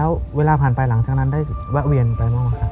แล้วเวลาผ่านไปหลังจากนั้นได้แวะเวียนไปบ้างครับ